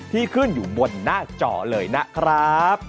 ที่ขึ้นอยู่บนหน้าจอเลยนะครับ